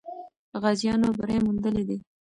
غازیانو بری موندلی دی.